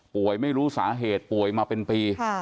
ไม่รู้สาเหตุป่วยมาเป็นปี